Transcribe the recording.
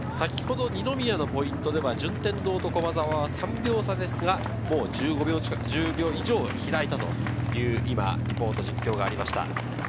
二宮のポイントでは順天堂と駒澤は３秒差ですが、もう１５秒、１０秒以上開いたという今、リポートがありました。